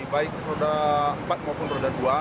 baik roda empat maupun roda dua